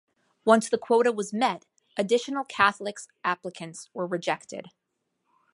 Once the quota was met additional Catholics applicants were rejected.